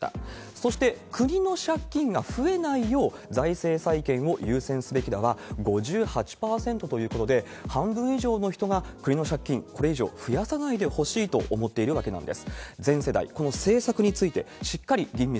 そして、国の借金が増えないよう、財政再建を優先すべきだは５８％ということで、半分以上の人が国の借金、これ以上増やさないでほしいと思っているわけなんです。